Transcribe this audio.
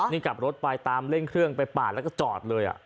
นี่กลับรถไปตามเร่งเครื่องไปปาดแล้วก็จอดเลย